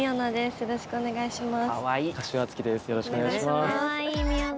よろしくお願いします。